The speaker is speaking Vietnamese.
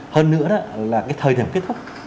hơn nữa đó là cái thời điểm kết thúc